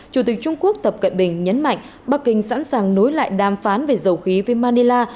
chủ tịch trung quốc tập cận bình nhấn mạnh bắc kinh sẵn sàng nối lại đàm phán về dầu khí với manila